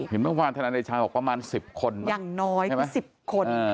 เห็นเมื่อวานทนายเดชากับประมาณสิบคนอย่างน้อยสิบคน